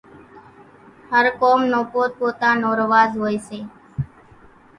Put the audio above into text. هر قوم نو پوت پوتا نو رواز هوئيَ سي۔